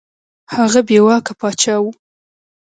هغه بې واکه پاچا وو.